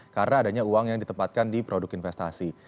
karena adanya uang yang ditempatkan di produk investasi